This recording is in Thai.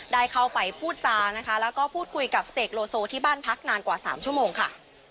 ได้เข้าไปพูดจานะคะแล้วก็พูดคุยกับเสกโลโซที่บ้านพักนานกว่า๓ชั่วโมงค่ะ